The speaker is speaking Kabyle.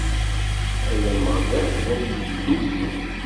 Ay Ameɣlal, ay Illu-iw!